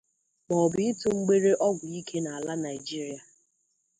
maọbụ ịtụ mgbere ọgwụike n'ala Nigeria